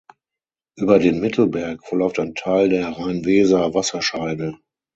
Über den Mittelberg verläuft ein Teil der Rhein-Weser-Wasserscheide.